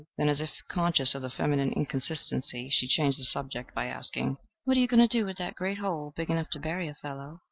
Then, as if conscious of the feminine inconsistency, she changed the subject by asking, "What are you going to do with that great hole? big enough to bury a fellow."